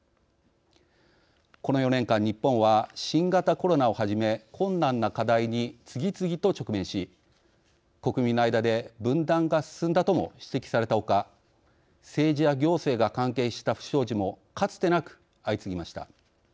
この４年間日本は新型コロナをはじめ困難な課題に次々と直面し国民の間で分断が進んだとも指摘されたほか政治や行政が関係した不祥事もかつてなく相次ぎました。